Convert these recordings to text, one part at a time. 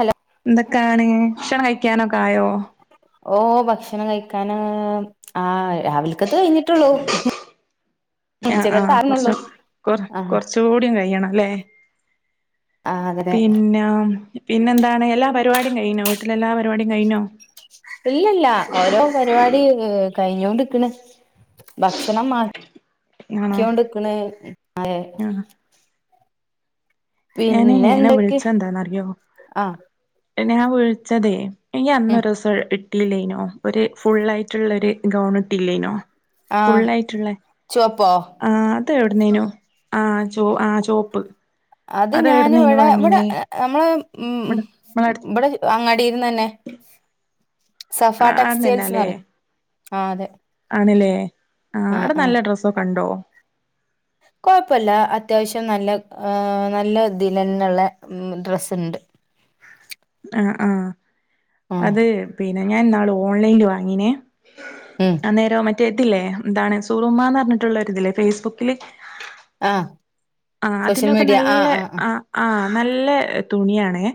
Hello എന്തൊക്കാണ് ഭക്ഷണം കഴിക്കാനൊക്കൊയോ ഓ ഭക്ഷണം കഴിക്കാൻ ആ രാവിലക്കത്തേയ് കഴിഞ്ഞിട്ടുള്ളൂ ആ ആ ഉച്ചക്കത്തെ കുറച്ച ആകുന്നുള്ളൂ കൊറ ആ കൊറച്ച കൂടിയും കഴിയണം അല്ലേ ആ അങ്ങനെ പിന്നെ പിന്നെന്താണ് എല്ലാ പരിപാടിയും കഴഞ്ഞോ വീട്ടിൽ എല്ലാ പരിപാടിയും കഴഞ്ഞോ ഇല്ലല്ല ഓരോ പരിപാടി കഴിഞ്ഞോ ണ്ടിരിക്കണ് ഭക്ഷണം ആണോ മാക്കോണ്ടിക്കണ് ആ ഞാനനെ വിളിച്ച എന്താന്ന് അറിയാവോ ആ ഞാൻ വിളിച്ചതെ നി ഉം അന്നെരു ദിവസം ഇ ഇല്ലേനോ ഒരു ഫുൾ ആയിട്ടുള്ള ഒരു ഗൗൺ ഇട്ടില്ലെനോ ആ ഫുള്ളയിട്ടുള്ളേ ചുവപ്പോ ആ അത് എ പറേനോ [unintelligible] ആ ആ ചോപ്പ് അത് ഞാൻ എവിടുന്നേനു ഇവിടെ ഇവിടെ വാങ്ങീനേ നമ്മള് ഉ ഇവിടെ നമ്മളെ അടു ഇവിടെ അങ്ങാടിന്ന് ഇ തന്നെ സഫ ടെക്സ്റ്റൽസ്ന്ന് പറയും ആ അതെ ആണല്ലേ ആ അവിടെ നല്ല ഡ്രസ്സൊക്കെ ഉണ്ടോ കുഴപ്പില്ല അത്യാവശ്യം നല്ല നല്ല ഇതില് ഉള്ള ഡ്രസ്സുണ്ട് [inaudible] ആ ആ ഉം അത് പിന്നെ ഞാൻ ഇന്നാള് ഓൺലൈനിൽ വാങ്ങിനേ ഉം അന്നേരോ മറ്റേ ഇതില്ലേ എന്താണ് സൂറൂമ പറഞ്ഞിട്ടുള്ളരിതില്ലേ ഫേസ്ബുക്കില് ആ ആ അതിലൊക്കെ നല്ല ആ ആ നല്ല തുണിയണേ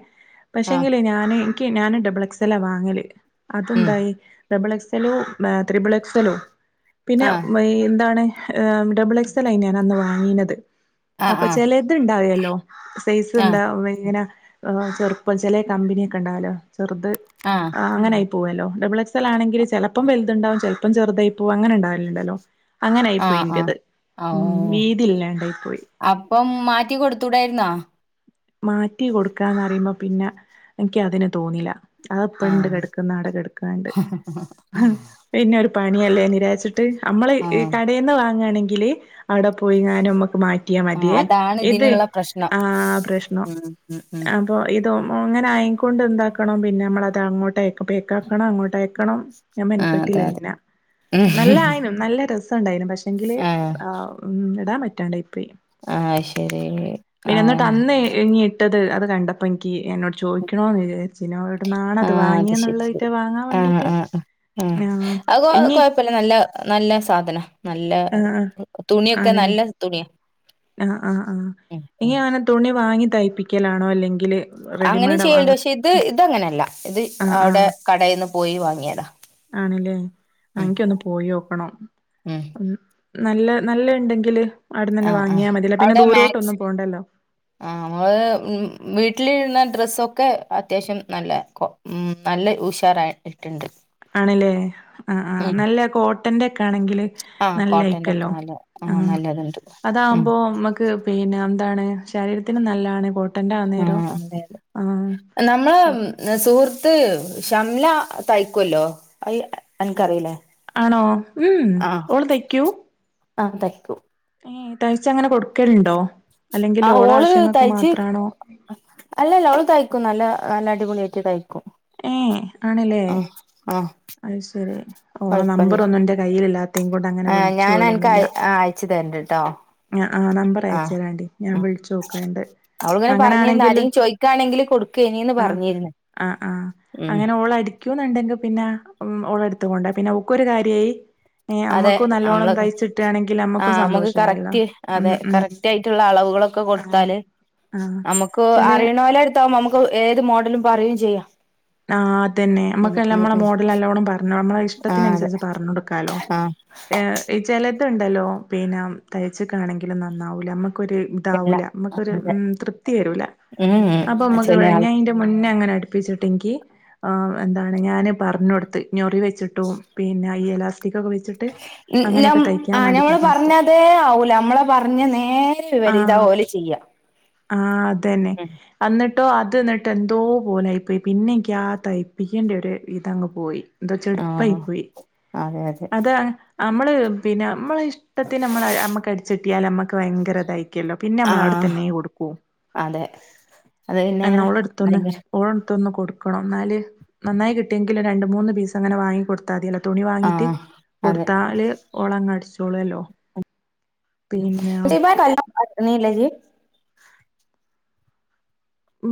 ആഹ് ആഹ് ആഹ് പക്ഷെങ്കില് ഞാന് എനിക്ക് ഞാന് ഡബിൾ എക്സ്ല്ലാ വാങ്ങല് ഉം അതുണ്ടായി ഡബിൾ എക്സലോ ത്രിബിൾ എക്സലോ പിന്നെ ആഹ് എന്താണ് ഏഹ് ഡബിൾ എക്സ്ൽലായിന് ഞാൻ അന്ന് വാങ്ങിയത് ആഹ് അപ്പൊ ആഹ് ചില ഇതുണ്ടാവല്ലോ സൈസ് ആഹ് എന്താ എങ്ങന ചെറുപ്പം ചെലേ കമ്പനിയൊക്കെ ഉണ്ടാവാലോ ചെറുത് ആഹ് അങ്ങനെ പോവല്ലോ ഡബിൾ എസ് എൽ ആണെങ്കിൽ ചിലപ്പം വലുതുണ്ടാവും ചിലപ്പം ചെറുതായി പോകും അങ്ങനെണ്ടാവില്ലുണ്ടല്ലോ അങ്ങനൊയി പോയി ആഹ് ആഹ് ഇന്റേത് ഉം വീതി ഇല്ലാണ്ടായി പോയി ഇപ്പം മാറ്റി കൊടുത്തൂടായിരുന്നാ മാറ്റി കൊടുക്കാന്ന്റിയുമ്പോ പിന്നെ എനിക്ക് അതിന് തോന്നില്ല അത് പണ്ട് ആഹ് കിടക്കുന്നട കിടക്കണ്ട് പിന്നെ ഒരു പണിയല്ലേ നിരാച്ചിട്ട നമ്മള് ആഹ് കടയിൽന്ന് വാങ്ങയാണെങ്കില് അവിടെ പോയിങ്ങാനുംക്കെ മാറ്റിയാ ആഹ് മതിയേ അതാണ് ഇത് ഇതിനുള്ള പ്രശ്നം ആ പ്രശ്ന ഉം ഉ ഉം ഇത അങ്ങനെആയിക്കൊണ്ട് എന്താക്കണം പിന്നെ നമ്മളത് അങ്ങോട്ട് പേയ്ക്കാക്കണം അങ്ങോട്ട് അയക്കണം ഞാൻ ആഹ് അതെ മെൻകെട്ടില്ല അതെ പിന്നെ നല്ല ആയിനും നല്ല രസംണ്ടായിനും പക്ഷ ങ്കില് ആഹാ ഉം ഇടാൻ പറ്റാണ്ടായി പോയി ആ ശരി ആ എങ്ങി ഇട്ടത് അത് കണ്ടപ്പോ എനിക്ക് എന്നോട് ചോദിക്കണന്ന്ച്ചനോവിടന്നാാണ് അത് ആഹ് വാങ്ങിയ ശരി എന്നുള്ളതിറ്റ് ശരി വാങ്ങാൻ ആഹ് വേണ്ടിട്ട് ആഹ് ആഹ് ആഹ് അത് കൊഴപ്പില്ല നല്ല നല്ല സാധന നല്ല ആഹ് ആഹ് തുണിയൊക്കെ നല്ല തുണിയ ആ ആഹ് ആ ഇനി ആങ്ങനെ തുണി വാങ്ങി തയ്പ്പിക്കലാണോ അല്ലെങ്കില് അങ്ങനും റെഡിമെയ്ഡാ വാങ്ങ ചെയ്യണ്ടോ പക്ഷെ ഇത് ഇതങ്ങനെയല്ല ഇത് ആഹ് അവിടെ ആഹ് കടയിൽന്ന് പോയി വാങ്ങിയതാ ആണല്ലേ ഉം എനിക്ക് ഒന്ന് പോയി നോക്കണം ഉം നല്ല നല്ല ഉണ്ടെങ്കില് അവിടെ തന്നെ വാങ്ങ ആ അവിടെ മാക്സ് ആ നമ്മള് വീട്ടിലിടുന്ന ഡ്രസ്സൊക്കെ അത്യാവശ്യം നല്ല ഉം നല്ല ഉശാറായി ഇട്ടുണ്ട് ണല്ലേ ആഹാ ആഹനല്ല കോട്ടന്റെ ണെങ്കിൽ ആഹ് കോട്ടന്റെ ഒക്കെ നല്ലായിക്കല്ലോ നല്ല ആ ആഹ് നല്ലതുണ്ട് ഉം അതകുമ്പോ നമ്മക്ക് പിന്നെ എന്താണ് ശരീരത്തിന് നല്ലാണ് കോട്ട ആ അതെതെ നമ്മള് അപ്പൊ സുഹൃത്ത് ത്ത് ശഷംല തയ്ക്കുവല്ലോ അനക്കറിയില്ലേ ആണോ ഉം ആ ഓള് തയ്ക്കും ആ തയ്ക്കും തയ്ച്ച അങ്ങനെ കൊടുക്കലുണ്ടോ അല്ലെങ്കിൽ ആ ഓള ഓള് ആവശ്യങ്ങൾക്ക് തയ്ച്ച് മാത്രാണോ അല്ലല്ല ഓള് തയ്ക്കും നല്ല അ ല അടിപൊളിആയിറ്റ് കയ്കും. ആഹ് ആ. അഹ് ശരി ഓളെ നമ്പർ കൊഴപ്പല്ല ഒന്നും ന്റെ കയ്യില് ഇല്ലാതൈ കൊണ്ട് അങ്ങനെ ആ വിളിചോ ഞാൻ അനക്ക് ലോന്നുല്ല. അയ അയച്ചു തരണ്ട് ട്ടോ ആ ആ നമ്പർ അയച്ചരാണ്ടി ഞാൻ വിളിചോക്ക്ണ്ട് അവള്ങ്ങനെ പറഞ്ഞിര്ന്ന് ആരെ ചോയ്ക്കാണെങ്കില് കൊടുകെനിന്ന് പറഞ്ഞിര്ന്ന്. ആ ആഹ് അങ്ങനെ ഓളടിക്കുന്ന്ണ്ടെങ്കി പിന്നെ ഉം ഓളെടുത്ത്കൊണ്ട പിന്നെ ഒക്കെരു കാര്യായി. ഏഹ് അതെ അമ്മക്കും നല്ലോണം അമ്മള് തയ്ച്ചിട്ടാണെങ്കിൽ ആ അമ്മക്കും അമക്ക് സന്തോഷായല്ലോ കറക്റ്റ് ഉം അതെ ഉം കറക്റ്റ് യിറ്റ്ള്ള അളവുകള കൊ ആഹ് കൊടുത്താല് ആഹ് അമ്മക്കു ചില അറിയ്ണോലെട് താ വു പ്പൊ ഏത് മോഡലും പറയെം ചെയ്യാ. ആഹ് അതെന്നെ അമ്മക്കല്ല അമ്മളെ മോഡല്ലല്ലോണം പറഞ്ഞോ അമ്മളെ ആ അതെ ഇഷ്ടത്തിനന്സരിച്ച് പർണോട് കാ ൽ ട്ടോ ആ ഏ ഇ ചെലത്ണ്ടല്ലോ പിന്ന തയ്ച്ചക്കാണെങ്കില് നന്നാവൂല മ്മ ക് ഒര് താ ഇല്ല വൂല മ്മ കൊര് അതെ മ് തൃപ്തി വെരൂല ഉം അപ്പം മ്മക്ക് ചില വെ ആള് ങേ ന്റെ മുന്നെ ങ്ങനെ ഇൻ യ് ക് ആ എന്താണ് ഞാന് പറ്ഞ്ഞോട്ത്ത് ഞൊറി വെച്ചിട്ടും പിന്ന ഈ എലാസ് ഇക്കൊക്കെ വെച്ച്ട്ട് മ് മ് ഞ്ഞം ഞമ്മള് പറഞ്ഞതേ ആവൂല അമ്മളെ പറഞ്ഞ നേരെ വിവരിത ഓല് ചെയ്യാ. ആ അതെന്നെ ഉം അന്ന് ട്ടോ അത് ന്ന്ട്ട് എന്തോ പോലയി പോയ് പിന്നെഇൻയ്ക് ആ തൈപിക്യ ണ്ട്യൊര് ഇത് അങ്ങ് പോയി. ന്തോ ആ ചട്പ്പയ് പോയി. അതെ അതെ അതാ അമ്മള് പിന്നെ മ്മളെ ഇഷ്ടത്തിന് മ്മളെ അമ്മക്ക് അടിച്ചിട്ടിയാൽ അമ്മക്ക് ഭയങ്കര തായി കെന്നൽ പിന്നെ ആ അമ്മൾ അവ്ടെ തന്നെ കൊടുക്കൂ അതെ അത് പിന്നെ എന്നാ ഓള് എടുതൊന്ന് ഭയങ്കര ഓൾ ത്ത് ഒന്ന് കൊടുക്കണം എന്നാല് നന്നായി കിട്ട്യേങ്കില് രണ്ട് മൂന്ന് പീസ് അങ്ങനെ വാങ്ങി കൊടുത്തദ്യല്ലോ തുണി ആ വാങ്ങിറ്റ് അതെ കൊട്ത്താല് ഒളങ്ങടിച്ചോളല്ലോ.? [unintelligible] കല്ല നീലെജി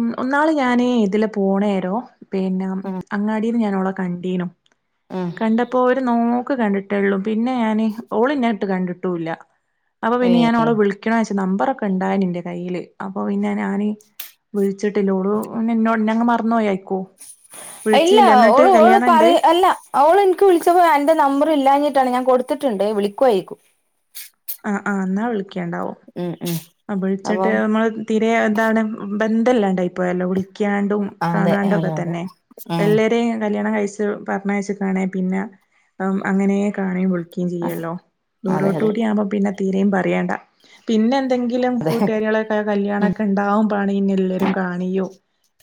മ് ഒന്നാള് ഞാന് ഇതിലെ പൊണെരോ പിന്നാം ഉം അങ്ങാടി ഞാനോളെ കണ്ടീനു ഉം കണ്ടപ്പോ ര് നോക്ക് കണ്ട്ട്ടേള്ളു. പിന്നെ ഞാന് ഓള്ന്നെട്ട് കണ്ട്ട്ടൂല്ല അപ്പൊ ഏ പിന്നെ ഞാഓളെ വിളിക്കണച് നമ്പറൊക്കെ ണ്ടായ്നി ന്റെ കയ്യില് അപ്പൊ പിന്നെ ഞാന് വ്ൾച്ച്ട്ട്ല്ല ഓളു ന്നെ ന്നോ ന്നെ ങ്ങ് മറ്ന്നോയെക്കു. ഇല്ല ഓളു ഓള് പറ അല്ല ഓള് ൻക് വിളിച്ചപ്പോ അന്റെ നമ്പർ ഇല്ലഞ്ഞി [unintelligible] ഞാൻ കൊടുത്ത്ട്ട്ണ്ട് വിളിക്കുവായിക്കും. ആ ആ ന്നാ വിളിയ്ക്കണ്ടാവു ഉം ആ വിളിച്ചിട്ട് അപ്പം മ്മള് തീരെ താ വ്ണെ ബന്ധല്ലാണ്ടായി പോയല്ലോ വിളിയ്ക്കാണ്ടും അതെ കാണാണ്ടു അതെ ഒക്കെ അതെ തെന്നെ ഉം ആ എല്ലരെ കല്യാണം കഴി പർണെച്ട്ട്ണെ പിന്ന അങ്ങനെ കാണെ വ് ചെയ്യല്ലോ അതെ അതെ ദൂരോട്ടുടിയവുമ്പോ പിന്ന തീരേം പറയണ്ട പിന്നെ എന്തെങ്കി ങ്കിലും കൂട്ടുകാരിളൊക്കെകെ ഉം കല്യാണക്കെ ണ്ടാവുമ്പോ ണ് ഇന്നെല്ലെരും കാണിയു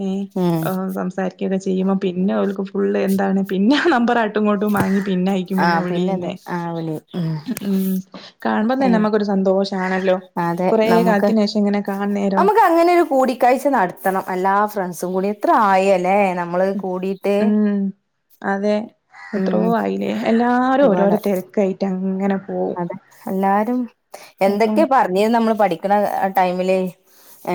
ഏ ഉം ഓ സംസാരിയ്കൊ കെ ചെയ്യുമ്പോ പിന്നെ ഓല്ക് ഫുള്ള് എന്താണ് പിന്ന ഹ് നമ്പർ ആട്ടും ങ്ങോട്ടും വാങ്ങി പിന്നെയ്ക്കും ആ പിന്നെ പിന്നെതെ വിളിന്നെ ആ വിളി ഉം മ് കാൺമ്പോ തന്നെ ഏത് മ്മക്കൊരു സന്തോഷണല്ലോ. അതെ നമുക്ക് നമക്ക് അങ്ങനെരു കൂടിക്കാഴ്ച നടത്തണം അ എല്ലാ ഫ്രണ്ട്സും കൂടി എത്ര ആയി അല്ലേ. ഉം അതെ. എത്രോ ഉം ആയിലെ എല്ലാരും ഒരുപാട് ഓരോരോ തെരക്കായിറ്റ് അങ്ങനെ പോവും അതെ എല്ലാരും അപ്പം എന്തൊക്കെ പറഞ്ഞിര്ന്ന് അമ്മള് പഠിക്ണ ടൈമില്.? ഏ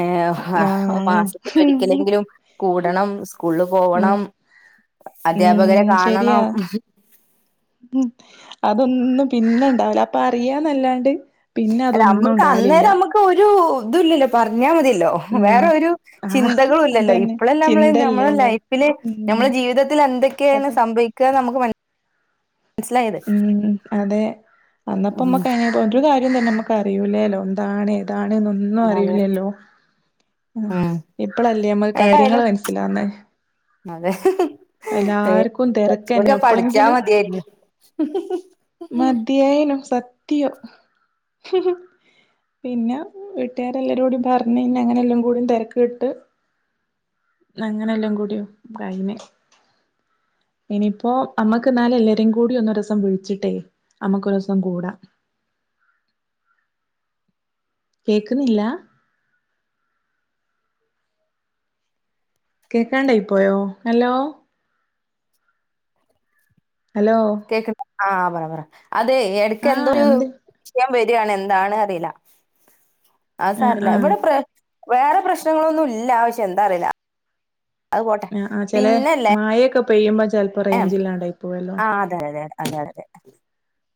ഹ ഹ് ആഹ് മാസത്തി ലൊരിക്കലെങ്കിലും കൂടണം സ്കൂള്ള് ഉം പോവണം. അദ്ധ്യാപകരെ കാണണം മ് ഹ് മ് അതൊന്നും പിന്നെണ്ടാവ് ല അപ്പ റിയാന്നല്ലാണ്ട്. അല അമ്മക്ക് അന്നേരം അമ്മക്ക് ഒരു ഇതുല്ലല്ലോ പറഞ്ഞാ മതി ലോ ഉം വേറെ ഒരു ആഹ് ചിന്തകളും ഇല്ലല്ലോ അതന്നെ ഇപ്പഴ അമ്മള് ഞമ്മളെ ചിന്തല്ലേല്ലോ ലൈഫില് ഉം നമ്മുടെ ജീവിതത്തി എന്തൊക്കെയാണ് അതെ സംഭവിക്കാ നമുക്ക് മനസ്സിലായത് ഉം അതെ അന്നപ്പോ ഉം നമ്മക്ക് പോ ക അ തന്നെ നമുക്ക് അറിയിൂല്ലല്ലോ എന്താണ് ഇതാണ് എന്നൊന്നും അതെ അറിയില്ലല്ലോ ഉം ഇപ്പഴല്ലേ നമ്മക്ക് കാര്യങ്ങള്ൾ ഏതായാലും മനസ്സിലാന്നേ അതെ തിരക്കന്നെ ചച്ചൂടി പഠിച്ചാ മതിയായിരുന്നു മധയനോ സത്യോ പിന്നെ വീട്ടുകാരെല്ലരും കൂടി പറഞ്ഞഞ്െ അങ്ങനെ എല്ലാം കൂടും തിരക്ക് കിട്ട് അങ്ങനെല്ലാം കൂടിയോ കൈനേ ഇനിയിപ്പോ നമ്മക്ക് എന്നാലും എല്ലരും കൂടി ഒന്ന രസം വിഴ ചിട്ടേ നമുക്ക് ഒരു ദിവസം കൂടാം കേക്കുന്നില്ല കേക്കാണ്ടായി പോയോ ഹലോ ഹലോ കേക്കണ്ട ആ പറ പറ അതെ എടക്ക് എന്തോ ആഹ് ഒരു ഉണ്ട് വിഷയം വ എന്താണ അറില്ല അ ആഹ് സരിില്ല ആഹ് ഇവിടെ വേറെ പ്രശ്നങ്ങളൊന്നും ഇല്ല പക്ഷെ എന്താ അറിയില്ല അത് പോട്ടെ ആ ആ ചില മായയൊക്കെ ആ അതെ അതെ അതെ അതെ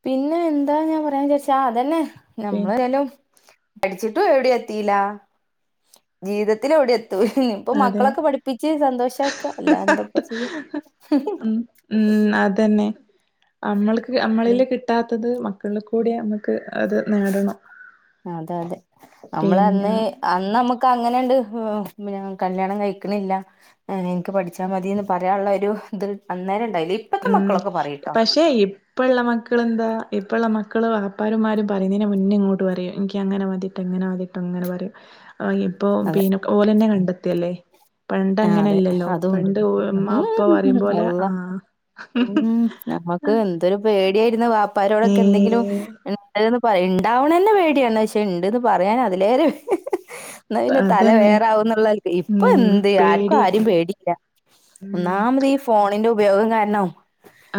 പിന്നെ എന്താ ഞാൻ പറയാ ചോച്ചാ അതന്നെ പി നമ്മള്ലും പഠിച്ചിട്ടും എവിടെ എത്തില്ല ജീവിതത്തി എവിടെ എ ഇപ്പ അതെ മക്കളൊക്കെ പഠിപ്പിച്ച് സന്തോഷമാക്ക അല്ല എന്തപ്പ ചെയ്യ ഉം ഉം അതന്നെ നമ്മൾക്ക് ഉം നമ്മളില് കിട്ടാത്തത് മക്കള കൂടെ നമ്മുക്ക് അതെ അതെ നമ്മൾ അന്ന് പിന്നെ അന്ന് നമുക്ക് അങ്ങനെുണ്ട് കല്യാണം കഴിക്കണില്ല എനിക്ക് പഠിച്ചാൽ മതിന്ന് പറയാനുള്ള ഒരു ഇ അന്നേര ഉം പക്ഷെ ഇപ്പുള്ള മക്കൾ എന്താ ഇപ്പുള്ള മക്ക മക്കള് വാപ്പാർമാര പറയുന്നതിനെ മുന്നേ ഇങ്ങോട്ട് പറയും എനിക്ക് അങ്ങനെ മതിട്ട് എങ്ങനെ മതിട്ടോ അങ്ങനെ പറയും ആ ഇപ്പൊ അതെ പിന്നെ ഓലെന്നെ കണ്ടെത്തിയല്ലേ ആ പണ്ടങ്ങനെ അതെ ഇല്ലല്ലോ അതുണ്ട് പണ്ട് അ് ഉം അപ്പ പറയും പോോലെ അള്ളാ ആ ഉം നമ്മുക്ക് എന്തൊരു പേടിയായിുന്ന വ്യാപ്പാരോടൊക്കെ എന്തെങ്കിലും ഏ ഉ പറ ഉണ്ടാവണന്നെ പേടിയാണ് പക്ഷെ ഇണ്ടന്ന് പറയാൻ അതിലേറെ എന്നാ പിന്നെ തല അതന്നെ വേറാവ എന്നുള്ള ഇപ്പൊ ഉം എന്ത ആർക്കും ആരും പേടിയാണ് പേടിയില്ല ഉം ഒന്നാമത് ഈ ഫോണിന്റെ ഉപയോഗം കാരണോ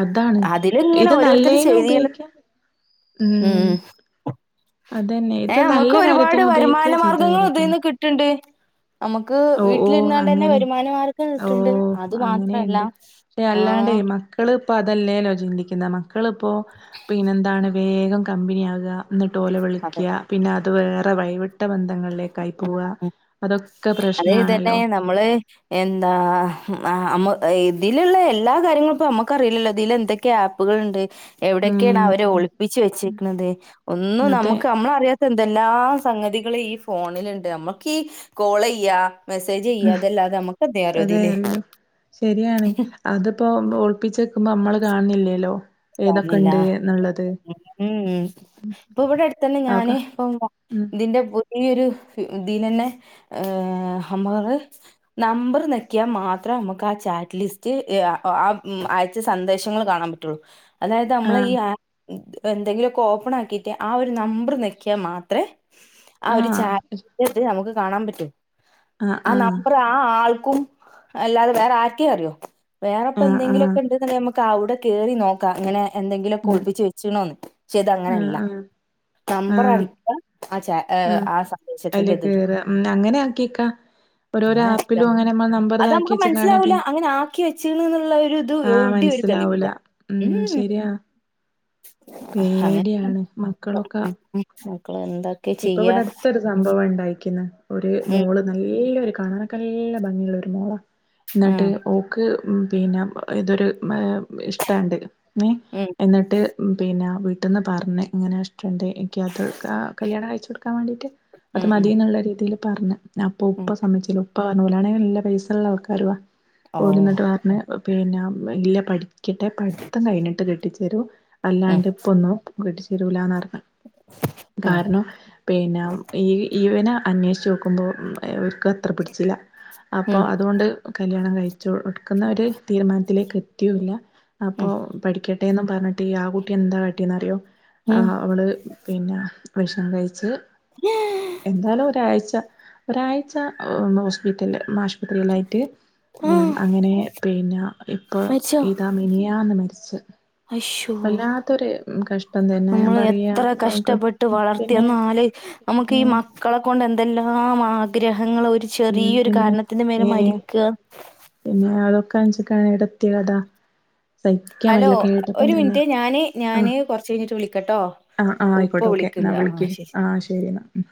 അതാണ് ഇത് നല്ലേനും ചെയ്തീണ് ഉപയോഗിക്കാം ഉം അതന്നെ ഇത് ഏഹ് നല്ല നമുക്ക് കാര്യത്തിന് ഉപയോഗിക്കുകാ ചെയ്ത കാര്യത്തിന് നമക്ക് വ ഓ ഓ വീട്ടിലിുന്നാണ്ട് തന്നെ അങ്ങനെ വരുമാന മാർഗ്ഗം ഓ കിട്ടുണ്ട് അത് മാത്രല്ല അങ്ങനെയുണ്ട് ആഹ അപ്പൊ അതല്ലേല്ലോ ചിന്തിക്കുന്ന മക്കളിപ്പോൾ പിന്നെന്താണ് വേഗം കമ്പനി ആകുക ഒ ടോല വിളിക്കുക പിന്നെ അത് വേറെ വൈിവിട്ട ബന്ധങ്ങളിലേക്കായി പോവ അതൊ അതേ തന്നെ നമ്മള് എന്താ ആമ്മ ഇതിലുള്ള എല്ലാ കാര്യങ്ങളും ഇപ്പ നമ്മുക്കറിയില്ലല്ലോ ഇതിൽ എന്തൊക്കെ ആപ്പുകളുണ്ട് എവിടെയൊക്കെയാണ് അവരെ ഉം ഒളിപ്പിച്ച് വെച്ചിേരിക്കണുന്നത് ഒന്നും അതെ നമുക്ക് നമ്മള അറിയാത്ത എന്തെല്ലാ സംഗതികള ഈ ഫോണിലുണ്ട് നമ്മുക്ക്ീ കോൾ ചെയ്യാ മെസ്സേജ് ചെയ്യ അതെല്ലാതെ നമ്മുക്ക് അത അതെ അറിയോതില്ലേ അറിയോ ശരിയാണ് അതിപ്പോ ഒളിപ്പിച്ചെക്കുമ്പോ നമ്മള് കാണണില്ലേല്ലോ ഏതൊക്കെ കാണുന്നില്ല ഉണ്ട് എന്നുള്ളത് ഉം ഇപ്പൊ ഇവിടെ അടുത്ത തന്നെ അതൊക്കെ ഞാന്േ ഇപ്പം ഉം ഇതിന്റെ ഈൊ ഒരു ഇതിൽ തന്നെ നമ്മള് നമ്പർ നക്കിയാ മാത്രം നമുക്ക് ആ ചാറ്റ് ലിസ്റ്റ് ആ അയച്ച സന്ദേശങ്ങൾ കാണാൻ പറ്റുള്ളു അതായത് നമ്മളെ ഈ ആഹ് ആപ്പ് എന്തെങ്കിലുമൊക്കെ ഓപ്പൺ ആക്കിട്ട് ആ ഒരു നമ്പർ നക്കിയാൽ മാത്രമേ ആ ഒരു ആഹ് ചാറ്റ് നമുക്ക് കാണാൻ പറ്റും ആഹ് ആ ആഹ് നമ്പർ ആ ആൾ അല്ലാതെ വേറെ ആറ്റേ അറിയോ വേറെപ്പോ ആഹ് ആഹ് എന്തെങ്കിലുമൊക്കെ ഉണ്ട നമക്ക് അവിടെ കെറിനോക്ക അങ്ങനെ എന്തെങ്കിലുംക്കെ ഉം ഒളിപ്പിച്ച വെച്ചണോന്ന് പക്ഷെ ഇത് ആഹ് അങ്ങനെയല്ല ആഹ് നമ്പർ അടിക്ക ആ ച ആ അയിൽ സന്ദേശത്തിന്റെ ഇത് എടുക്കുക കേറാ അങ്ങനെ ആക്കിയക്കാ ഓരോരോ അങ്ങനെ ആപ്പിലും അടിക്കാം അങ്ങനെ നമ്മ നമ്പർ അത് നമുക്ക് ഇതെക്കിവെച്ചിലകണ മനസ്സിലാവൂല പിന്നെ അങ്ങനെ ആക്കി വെച്ചീണ് എന്നുള്ള ഒരു ഇത് ആ എവിടെയും ഒരു മനസിലാവൂല തെളിവില്ല ഉം ശരിയാ പേടിയാണ് മക്കളൊക്കെ മക്കള എ ഇപ്പൊ ഇവിടെ അടുത്തരു സംഭവഇണ്ടായിക്കിന് ഒരു ഉം മോള് നല്ലരു കാണാനൊക്കെല്ല ആ പിന്നെ ഇതൊരു ഉം കിട്ടന്ന് പറഞ്ഞ ഇങ്ങനെ ഉം ഉം പറഞ്ഞ അപ്പ ഉം ഉപ്പ സമ്മിച് ഓ ഓല് ന്നിട്ട് പറഞ്ഞു പിന്നെ പഠിക്കട്ടെ പഠിത്തം കഴിഞ്ഞിട്ട് കെട്ടിച്ചരും ഉം അല്ലാണ്ട് ഇപ്പൊന്നും കെട്ടിച്ചേരൂലന്ന്റഞ്ഞ ഉം കാരണം പിന്നെ ഈ ഇവനെ അത്ര പിടിച്ചില്ല അപ്പോ ഉം അതുകൊണ്ട് കല്യാണം കഴ എടുക്കുന്ന ഒരു തീരുമാനത്തിലേക്ക് എത്തിയല്ല ഉം അപ്പോൾ പഠിക്ക പറഞ്ഞിട്ട് ഈ ആ കുട്ടി എന്താ കാട്ടിന്ന്റിയോ ആ് ഉം അവള് പിന്നെ വിഷം കഴിച്ച് എന്താലും ഒരാഴ്ച ഒരാഴ്ച ഹോസ്പിറ്റല ആശുപത്രിയിലായിട്ട് ആ അങ്ങനെ പിന്നെ ഇപ്പൊ മരിച്ചോ ഇതാ മിനിയാന്ന് മരിച്ച അശ്ശോ വല്ലാത്തൊരു കഷ്ടം തന്നെ ഞാൻ നമ്മൾ പറയാ എത്ര കഷ്ടപ്പെട്ട് പിന്നെ വളർത്തിയെന്നാല് നമുക്ക് ഈ ഏഹ് മക്കളെ കൊണ്ട് എന്തെല്ലാം ആഗ്രഹം ഒരു ഉം ചെറിയരു പിന്നെ കാരണത്തിന്റെ മേലെ മരിക്ക കാണിച്ചക്കാണ് ഇടതിനട്ട ഹലോ ഒരു മിനിറ്റ് ഞാന് ഞാന് കൊറച്ച് കഴിഞ്ഞിട്ട് വിളിക്കട്ടോ ആ ആഹ് ആയിക്കോട്ടെ ഉപ്പ ഓക്കെ എന്നാ വിളിക്കണ്ട് ആ വിളിക്ക് ശരി ആഹ് ശരി എന്നാ